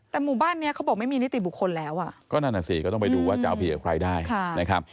แต่หมู่บ้านเนี้ยเขาบอกไม่มีนิติบุคคลแล้วอ่ะก็นั่นอ่ะสิก็ต้องไปดูว่าจะเอาผิดกับใครได้นะครับ